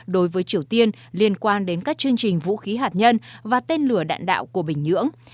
đối với triều tiên liên quan đến các chương trình vũ khí hạt nhân và tên lửa đạn đạo của bình nhưỡng